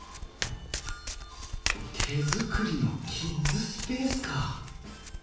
手作りのキッズスペースか。